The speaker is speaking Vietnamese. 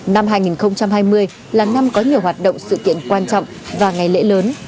năm hai nghìn hai mươi là năm có nhiều hoạt động sự kiện quan trọng và ngày lễ lớn